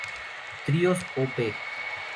Tríos, Op.